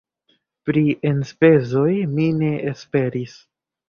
Pri enspezoj mi ne esperis.